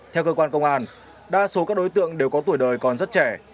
theo cơ quan công an đa số các đối tượng đều có tuổi đời còn rất trẻ